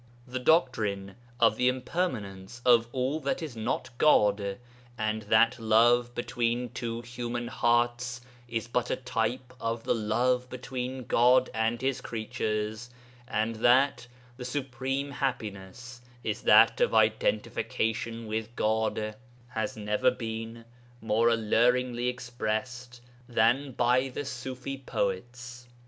The doctrine of the impermanence of all that is not God and that love between two human hearts is but a type of the love between God and His human creatures, and that the supreme happiness is that of identification with God, has never been more alluringly expressed than by the Ṣufi poets.